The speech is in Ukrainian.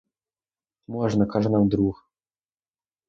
Можна, каже нам друг.